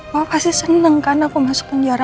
papa pasti seneng kan aku masuk penjara